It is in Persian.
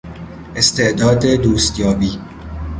استعداد دوستیابی